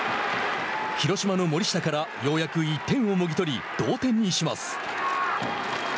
広島の森下からようやく１点をもぎ取り同点にします。